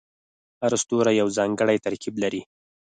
هر ستوری یو ځانګړی ترکیب لري.